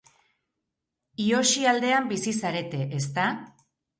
Hiyoxi aldean bizi zarete, ezta?